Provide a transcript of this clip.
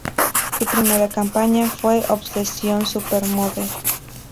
Su primera campaña fue "Obsession Supermodel".